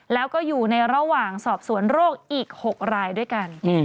แล้วก็อยู่ในระหว่างสอบสวนโรคอีก๖รายด้วยกัน